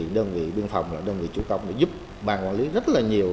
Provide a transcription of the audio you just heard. đơn vị biên phòng đơn vị chủ công đã giúp bàn quản lý rất là nhiều